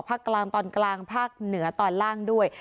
ภาคกลางตอนกลางภาคเหนือตอนล่างด้วย